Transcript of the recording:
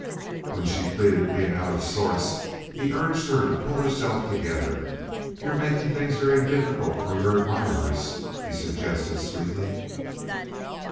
When she pleaded being out of sorts he urged her to pull herself together. "You're making things very difficult for your admirers," he suggested, sweetly.